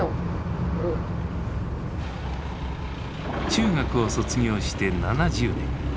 中学を卒業して７０年。